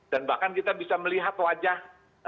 dan bahkan kita bisa melihat wajah